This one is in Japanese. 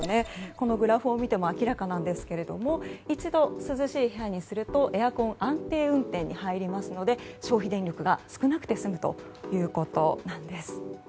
このグラフを見ても明らかなんですけど一度涼しい部屋にするとエアコン安定運転に入りますので消費電力が少なくて済むということです。